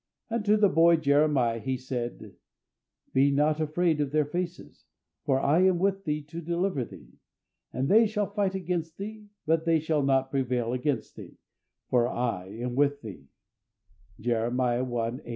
And to the boy Jeremiah, He said, "Be not afraid of their faces: for I am with thee to deliver thee.... And they shall fight against thee; but they shall not prevail against thee; for I am with thee" (Jeremiah i.